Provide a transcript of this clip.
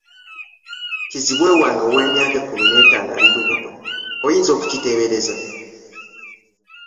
Kizibwe wange ow'emyaka ekkumi n'etaano ali lubuto, oyinza okukiteebereza?